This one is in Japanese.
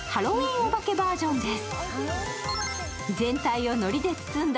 おばけバージョンです。